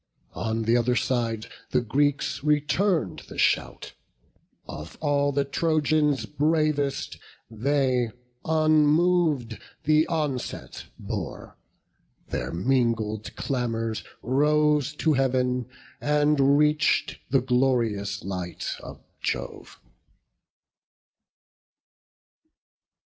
On th' other side the Greeks return'd the shout: Of all the Trojans' bravest they, unmov'd, The onset bore; their mingled clamours rose To Heav'n, and reach'd the glorious light of Jove.